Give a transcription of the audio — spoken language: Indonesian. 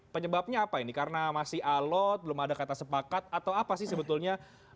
penyebabnya apa ini karena masih alot belum ada kata sepakat atau apa sih sebetulnya